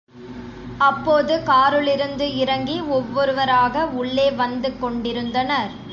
அப்போது காருலிருந்து இறங்கி ஒவ்வொருவ ராக உள்ளே வந்துக் கொண்டிருந்தனர்.